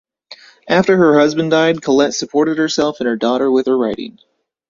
After her husband died, Colet supported herself and her daughter with her writing.